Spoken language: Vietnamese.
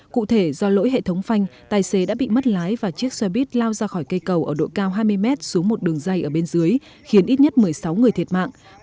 cụ thể do lỗi hệ thống phanh tài xế đã bị mất lái và chiếc xe buýt lao ra khỏi cây cầu ở độ cao hai mươi mét xuống một đường dây ở bên dưới khiến ít nhất một mươi sáu người thiệt mạng